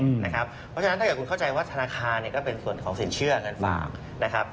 เพราะฉะนั้นถ้าเกิดคุณเข้าใจว่าธนาคารก็เป็นส่วนของสินเชื่อเงินฝากนะครับ